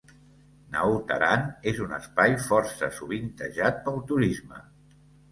Naut Aran és un espai força sovintejat pel turisme.